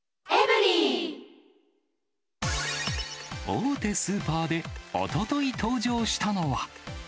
大手スーパーでおととい登場したのは。